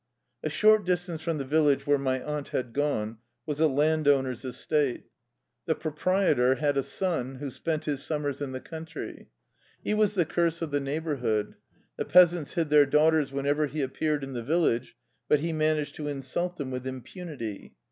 A short distance from the village where my aunt had gone was a landowner's estate. The proprietor had a son who spent his summers in the country. He was the curse of the neighbor hood. The peasants hid their daughters when ever he appeared in the village, but he managed to insult them with impunity.